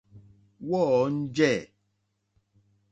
Wɔ́ɔ̂ njɛ̂.